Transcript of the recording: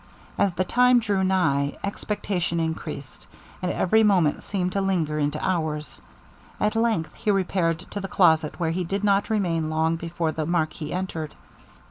As the time drew nigh, expectation increased, and every moment seemed to linger into hours. At length he repaired to the closet, where he did not remain long before the marquis entered.